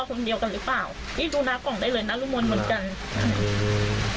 คนเดียวกันหรือเปล่านี่ดูหน้ากล่องได้เลยนรมนต์เหมือนกันอืม